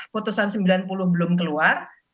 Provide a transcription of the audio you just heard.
putusan sembilan puluh belum keluar